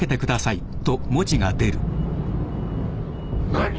何！？